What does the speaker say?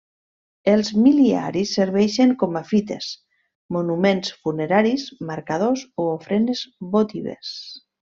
Els mil·liaris serveixen com a fites, monuments funeraris, marcadors o ofrenes votives.